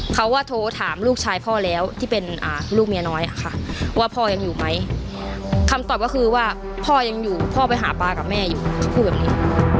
เขาก็โทรถามลูกชายพ่อแล้วที่เป็นลูกเมียน้อยอะค่ะว่าพ่อยังอยู่ไหมคำตอบก็คือว่าพ่อยังอยู่พ่อไปหาปลากับแม่อยู่เขาพูดแบบนี้